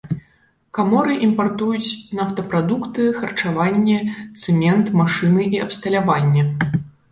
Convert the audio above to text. Каморы імпартуюць нафтапрадукты, харчаванне, цэмент, машыны і абсталяванне.